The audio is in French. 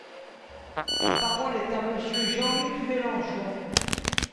La parole est à Monsieur Jean-Luc Mélenchon.